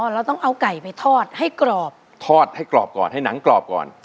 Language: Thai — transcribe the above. เราต้องเอาไก่ไปทอดให้กรอบทอดให้กรอบก่อนให้หนังกรอบก่อน